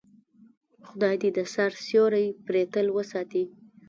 خدای دې د سر سیوری پرې تل وساتي.